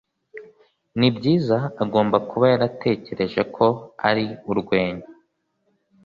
nibyiza, agomba kuba yaratekereje ko ari urwenya